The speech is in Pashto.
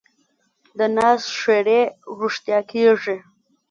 د ناز ښېرې رښتیا کېږي.